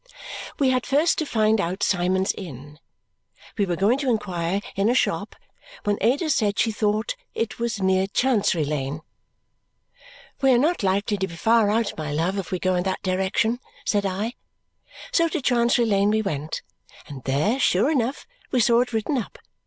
We had first to find out Symond's Inn. We were going to inquire in a shop when Ada said she thought it was near Chancery Lane. "We are not likely to be far out, my love, if we go in that direction," said I. So to Chancery Lane we went, and there, sure enough, we saw it written up.